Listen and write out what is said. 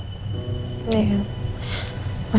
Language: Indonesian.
ada yang pengen aku omongin juga